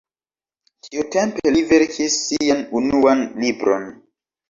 Tiutempe li verkis sian unuan libron.